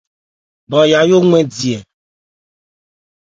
Ban Yayó wɛn di ɛ ?